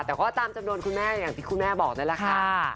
แต่ก็ตามจำนวนคุณแม่อย่างที่คุณแม่บอกนั่นแหละค่ะ